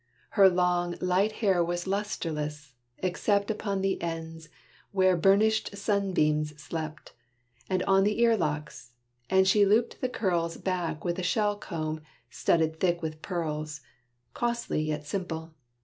Her long, light hair was lusterless, except Upon the ends, where burnished sunbeams slept, And on the earlocks; and she looped the curls Back with a shell comb, studded thick with pearls, Costly yet simple.